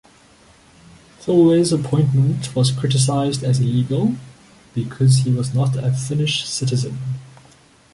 Plehwe's appointment was criticized as illegal, because he was not a Finnish citizen.